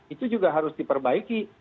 itu juga harus diperbaiki